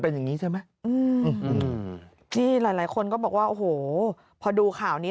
เป็นอย่างนี้ใช่ไหมอืมที่หลายหลายคนก็บอกว่าโอ้โหพอดูข่าวนี้